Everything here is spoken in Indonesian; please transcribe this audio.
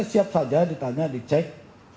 siap saja ditanya dicek